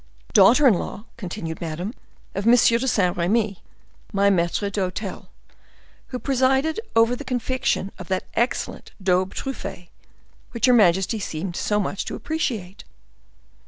"Daughter in law," continued Madame, "of M. de Saint Remy, my maitre d'hotel, who presided over the confection of that excellent daube truffee which your majesty seemed so much to appreciate."